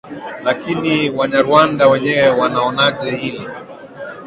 lakini wanyarwanda wenyewe wanaonaje hili